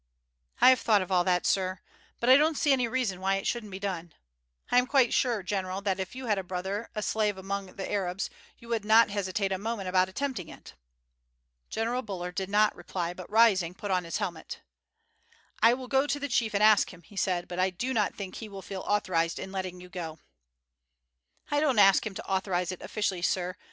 "I have thought of all that, sir; but I don't see any reason why it shouldn't be done. I am quite sure, general, that if you had a brother a slave among the Arabs you would not hesitate a moment about attempting it." General Buller did not reply, but rising put on his helmet. "I will go to the chief and ask him," he said; "but I don't think he will feel authorized in letting you go." "I don't ask him to authorize it officially, sir.